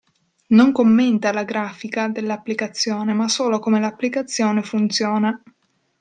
Non commenta la grafica dell'applicazione ma solo come l'applicazione funziona.